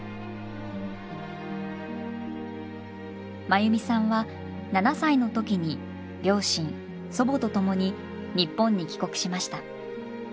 真由美さんは７歳の時に両親祖母と共に日本に帰国しました。